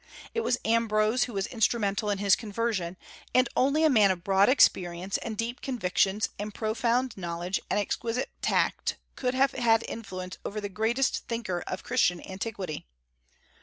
It was Ambrose who was instrumental in his conversion; and only a man of broad experience, and deep convictions, and profound knowledge, and exquisite tact, could have had influence over the greatest thinker of Christian antiquity.